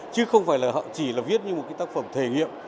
chứ không phải là họ chỉ là viết như một cái tác phẩm thể nghiệm